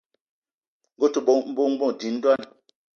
Ngue ute ke bónbô, dím ndwan